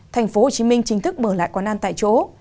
thành phố hồ chí minh chính thức mở lại quán ăn tại chỗ